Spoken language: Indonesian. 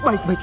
baik baik gey